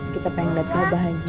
kita pengen lihat kabarannya